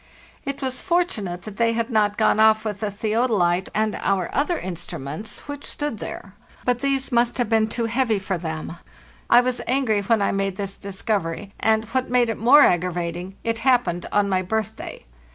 It was fortunate that they had not gone off with the theodolite and our other instruments which 430 FARTHEST NORTH stood there; but these must have been too heavy for them. I was angry when I made this discovery, and, what made it more aggravating, it happened on my birthday.